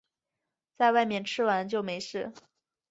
在外面吃完就没事